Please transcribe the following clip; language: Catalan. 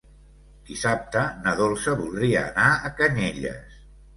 Dissabte na Dolça voldria anar a Canyelles.